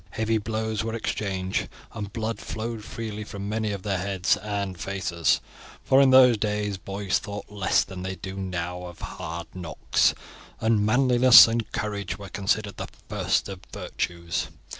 Heavy blows were exchanged, and blood flowed freely from many of their heads and faces, for in those days boys thought less than they do now of hard knocks, and manliness and courage were considered the first of virtues.